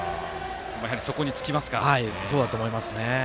そこに尽きますか。